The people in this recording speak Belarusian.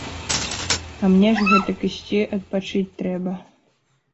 А мне ж гэтак ісці адпачыць трэба.